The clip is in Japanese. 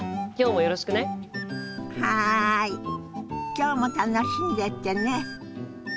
今日も楽しんでってね！